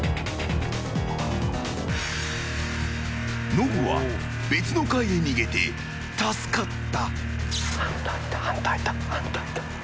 ノブは別の階に逃げて助かった。